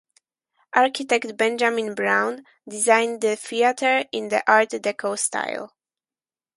Architect Benjamin Brown designed the theatre in the Art Deco style.